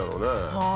はい。